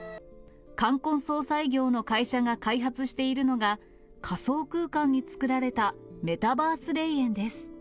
冠婚葬祭業の会社が開発しているのが、仮想空間に作られたメタバース霊園です。